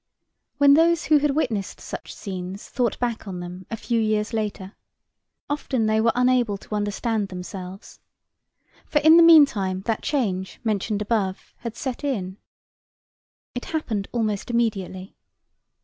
When those who had witnessed such scenes thought back on them a few years later, often they were unable to understand themselves. For in the meantime that change mentioned above had set it. It happened almost immediately.